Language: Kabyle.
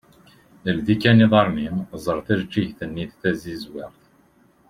Ldi kan iḍarren-im ẓer tajeğğigt-nni tazizwaɣt.